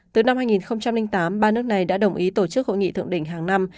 từ năm hai nghìn tám ba nước này đã đồng ý tổ chức hội nghị thượng đỉnh hàng năm